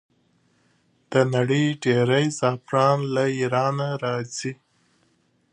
د نړۍ ډیری زعفران له ایران راځي.